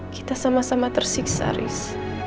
kita sama sama tersiksa ris